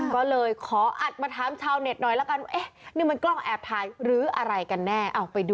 ก็เลยขออัดมาถามชาวเน็ตหน่อยละกันว่าเอ๊ะนี่มันกล้องแอบถ่ายหรืออะไรกันแน่เอาไปดู